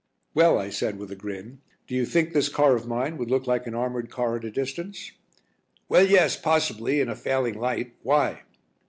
"Well," I said, with a grin, "do you think this car of mine would look like an armoured car at a distance?" "Well, yes, possibly, in a failing light. Why?"